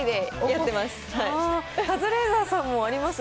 カズレーザーさんもあります？